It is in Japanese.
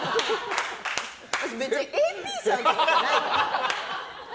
私、別にＡＰさんじゃないから。